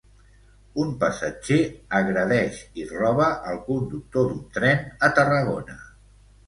Un passatger agredeix i roba al conductor d'un tren a Tarragona.